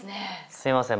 すいません